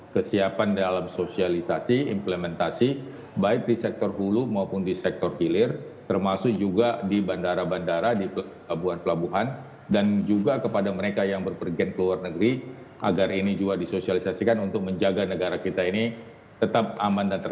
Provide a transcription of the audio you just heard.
kalau ada kegiatan seni budaya kegiatan olahraga tanpa penonton